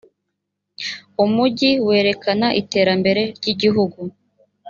umujyi werekana iterambere ryigihugu.